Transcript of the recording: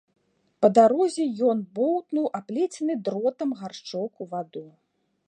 Па дарозе ён боўтнуў аплецены дротам гаршчок у ваду.